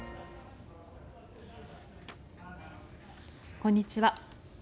こんにちは。